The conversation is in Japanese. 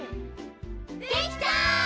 できた！